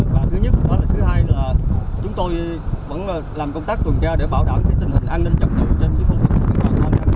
và thứ nhất là thứ hai là chúng tôi vẫn làm công tác tuần tra để bảo đảm tình hình an ninh trật tự trên khu vực